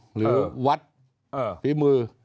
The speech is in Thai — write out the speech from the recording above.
หรือวัดฝีมือ